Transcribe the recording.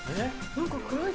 何か怖い。